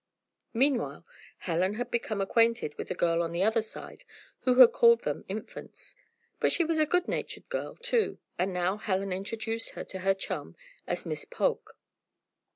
Meanwhile Helen had become acquainted with the girl on the other side who had called them "Infants." But she was a good natured girl, too, and now Helen introduced her to her chum as Miss Polk.